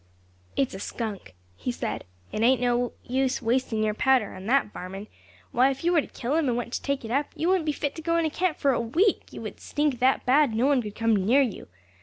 "It's a skunk," he said; "it ain't no use wasting your powder on that varmin. Why, if you were to kill him, and went to take it up, you wouldn't be fit to go into camp for a week; you would stink that bad no one couldn't come near you.